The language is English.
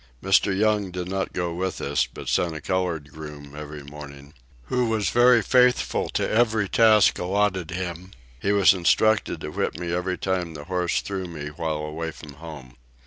Mr. Young did not go with us, but sent a colored groom every morning, who was very faithful to every task alloted him; he was instructed to whip me every time the horse threw me while away from home.